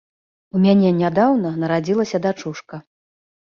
У мяне нядаўна нарадзілася дачушка.